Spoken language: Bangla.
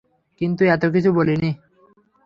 কিন্তু এত কিছু বলিনি।